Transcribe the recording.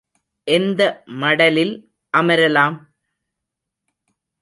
எந்த மடலில் அமரலாம்?